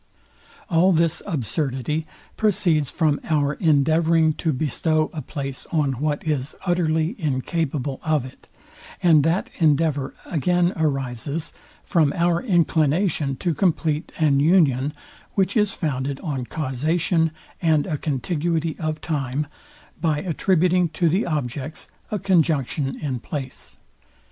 All this absurdity proceeds from our endeavouring to bestow a place on what is utterly incapable of it; and that endeavour again arises from our inclination to compleat an union, which is founded on causation, and a contiguity of time, by attributing to the objects a conjunction in place.